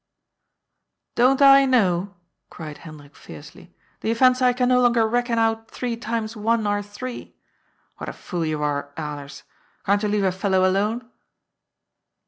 "Don't I know?" cried Hendrik fiercely. "Do you fancy I can no longer reckon out three times one are three ? What a fool you are, Alers! Can't you leave a fellow alone